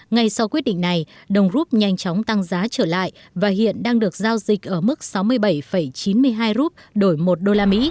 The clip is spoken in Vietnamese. ngay sau quyết định này đồng rút nhanh chóng tăng giá trở lại và hiện đang được giao dịch ở mức sáu mươi bảy chín mươi hai rup đổi một usd